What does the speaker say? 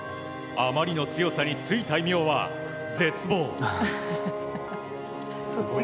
あまりの強さに付いた異名は、絶望。